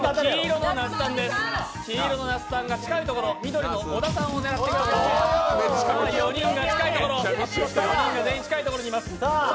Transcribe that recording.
黄色の那須さんが近いところ、緑の小田さんを狙って４人が全員近いところにいます。